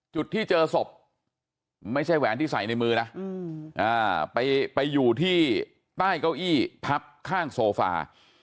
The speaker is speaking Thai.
จุดที่เจอศพไม่ใช่แหวนที่ใส่ในมือนะไปอยู่ที่ใต้เก้าอี้พับข้างโซฟา